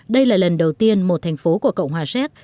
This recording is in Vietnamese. đây là lần đầu tiên một thành phố của cộng hòa séc